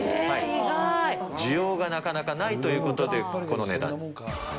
需要がなかなかないということで、この値段に。